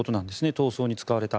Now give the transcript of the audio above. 逃走に使われた。